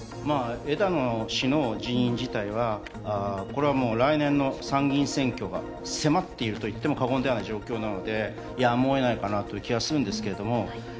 枝野氏の辞任自体は来年の参議院選挙が迫っていると言っても過言ではない状況なので、やむを得ないかなという気がします。